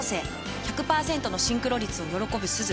１００％のシンクロ率を喜ぶすず。